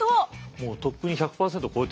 もうとっくに１００％超えてますよね。